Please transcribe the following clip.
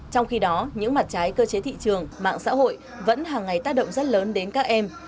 trong khi đó những mặt trái cơ chế thị trường mạng xã hội vẫn hàng ngày tác động rất lớn đến các em